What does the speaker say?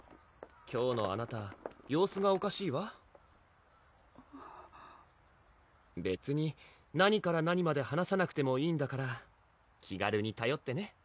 今日のあなた様子がおかしいわ別に何から何まで話さなくてもいいんだから気軽にたよってね